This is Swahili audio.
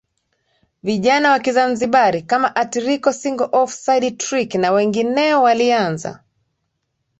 Vijana wakizanzibari Kama At Rico single off side trick na wengineo walianza